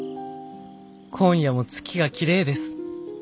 今夜も月がきれいです。